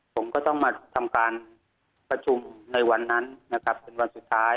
ผมก็ต้องมาทำการประชุมในวันนั้นนะครับเป็นวันสุดท้าย